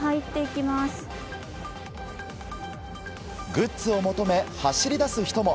グッズを求め、走り出す人も。